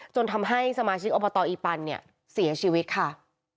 จนทำให้สมาชิกอบตอีปันเนี่ยเสียชีวิตค่ะ